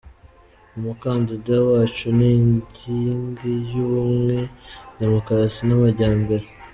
Umukandida wacu ni inking y’ubumwe, demokarasi n’amajyambere.